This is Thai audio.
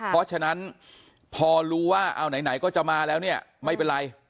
เพราะฉะนั้นพอรู้ว่าเอาไหนก็จะมาแล้วเนี่ยไม่เป็นไร